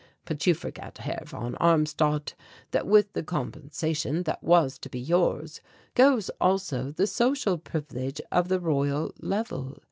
But you forget, Herr von Armstadt, that with the compensation that was to be yours goes also the social privilege of the Royal Level.